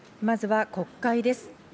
まずは国会です。